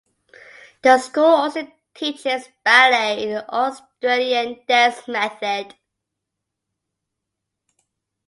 The school also teaches ballet in the Australian dance method.